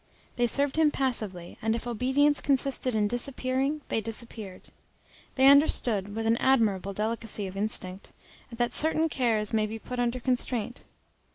They served him passively; and if obedience consisted in disappearing, they disappeared. They understood, with an admirable delicacy of instinct, that certain cares may be put under constraint.